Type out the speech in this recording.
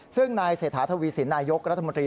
ซึ่งนายเศรษฐาทวีสินนายกรัฐมนตรี